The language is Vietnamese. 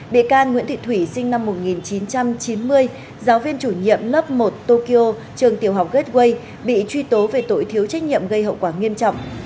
bốn bị can trong vụ án gồm nguyễn bích quy sinh năm một nghìn chín trăm chín mươi giáo viên chủ nhiệm lớp một tokyo trường tiểu học gateway bị truy tố về tội thiếu trách nhiệm gây hậu quả nghiêm trọng